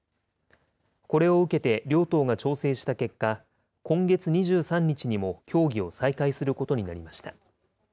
これを受けて、両党が調整した結果、今月２３日にも協議を再開することになりました。